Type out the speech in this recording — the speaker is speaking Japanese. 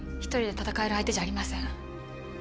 １人で戦える相手じゃありません。